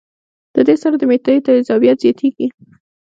د دې سره د معدې تېزابيت زياتيږي